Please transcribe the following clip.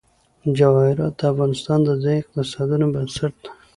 جواهرات د افغانستان د ځایي اقتصادونو بنسټ دی.